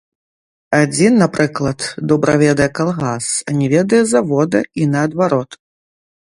Адзін, напрыклад, добра ведае калгас, а не ведае завода, і наадварот.